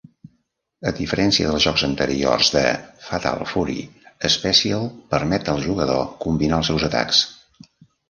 A diferència dels jocs anteriors de "Fatal Fury", "Special" permet al jugador combinar els seus atacs.